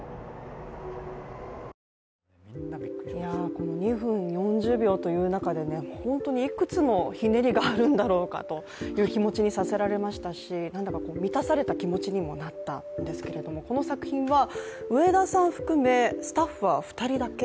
この２分４０秒という中で、本当にいくつのひねりがあるんだろうかという気持ちにさせられましたしなんだか満たされた気持ちにもなったんですけれどもこの作品は、上田さん含め、スタッフは２人だけ？